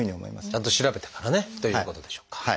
ちゃんと調べてからねということでしょうか。